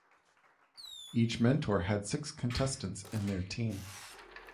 Each mentor had six contestants in their team.